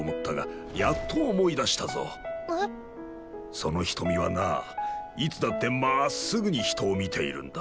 その瞳はないつだってまっすぐに人を見ているんだ。